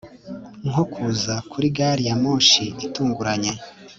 Nko kuza kuri gari ya moshi itunguranye